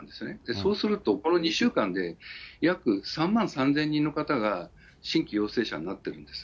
そうすると、この２週間で、約３万３０００人の方が新規陽性者になっているんです。